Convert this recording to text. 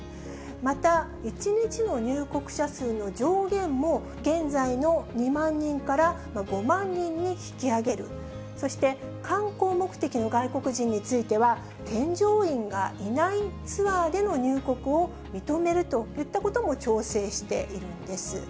また１日の入国者数の上限も、現在の２万人から５万人に引き上げる、そして、観光目的の外国人については、添乗員がいないツアーでの入国を認めるといったことも調整しているんです。